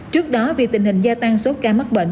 trước đó vì tình hình gia tăng số ca mắc bệnh